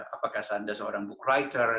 apakah anda seorang book writer